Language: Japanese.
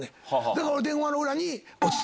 だから俺電話の裏に。